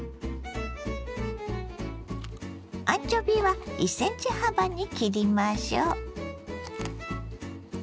アンチョビは１ｃｍ幅に切りましょ。